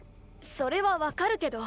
それは分かるけど。